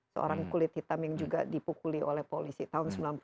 seorang kulit hitam yang juga dipukuli oleh polisi tahun sembilan puluh dua